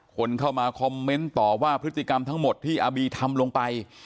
คนเข้ามาคอมเมนต์ต่อว่าพฤติกรรมทั้งหมดที่อาบีทำลงไป